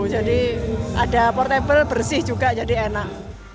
jadi ada portable bersih juga jadi enak